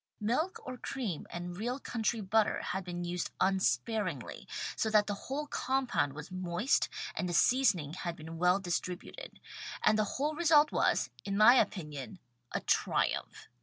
Milk or cream and real country butter had been used unsparingly, so that the whole compound was moist and the seasoning had ^ been well distributed, and the whole result was, in my opinion, a triumph.